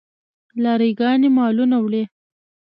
لاری ګانې مالونه وړي.